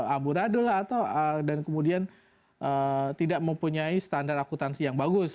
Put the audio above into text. aborado lah atau dan kemudian tidak mempunyai standar akutansi yang bagus